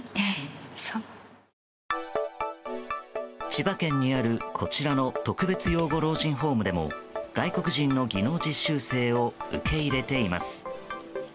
千葉県にあるこちらの特別養護老人ホームでも外国人の技能実習生を受け入れています。